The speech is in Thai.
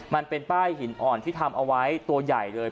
มันเป็นป้ายหินอ่อนที่ทำเอาไว้ตัวใหญ่เลย